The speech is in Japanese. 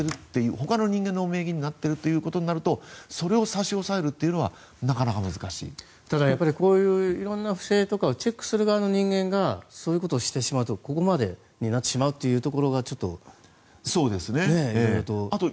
ほかの人間の名義になってるってことになるとそれを差し押さえるっていうのはただ、こういう色んな不正などをチェックする側の人間がそういうことをしてしまうとここまでになってしまうというところが色々と。